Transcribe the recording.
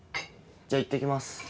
じゃいってきます。